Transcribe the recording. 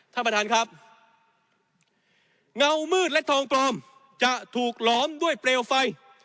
ท่านประธานครับเงามืดและทองปลอมจะถูกหลอมด้วยเปลวไฟ